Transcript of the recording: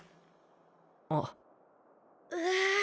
あっうわあ